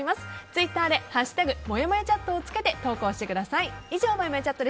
ツイッターで「＃もやもやチャット」をつけて投稿してください。